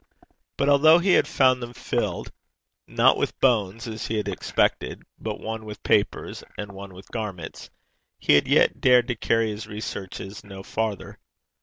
But although he had found them filled, not with bones, as he had expected, but one with papers, and one with garments, he had yet dared to carry his researches no further.